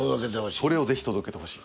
それをぜひ届けてほしい。